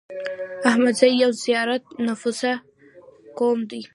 احمدزي يو زيات نفوسه قوم دی